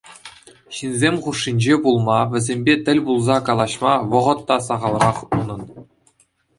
Ҫынсем хушшинче пулма, вӗсемпе тӗл пулса калаҫма вӑхӑт та сахалрах унӑн.